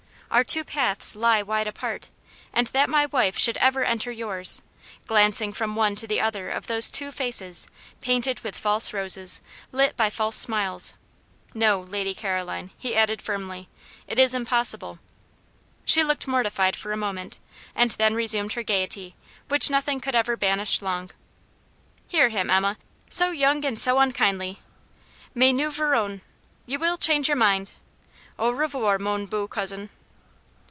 "Our two paths lie wide apart wide as the poles; our house and our society would not suit you; and that my wife should ever enter yours" glancing from one to the other of those two faces, painted with false roses, lit by false smiles, "No, Lady Caroline," he added, firmly, "it is impossible." She looked mortified for a moment, and then resumed her gaiety, which nothing could ever banish long. "Hear him, Emma! So young and so unkindly! Mais nous verrons. You will change your mind. Au revoir, mon beau cousin."